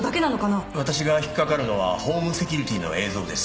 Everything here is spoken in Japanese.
私が引っ掛かるのはホームセキュリティーの映像です。